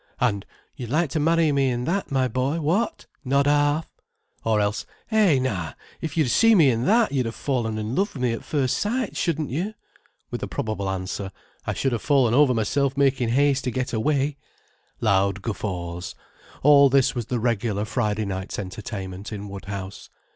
and "You'd like to marry me in that, my boy—what? not half!"—or else "Eh, now, if you'd seen me in that you'd have fallen in love with me at first sight, shouldn't you?"—with a probable answer "I should have fallen over myself making haste to get away"—loud guffaws:—all this was the regular Friday night's entertainment in Woodhouse.